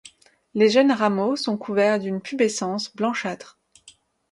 Les jeunes rameaux sont couverts d'une pubescence blanchâtre.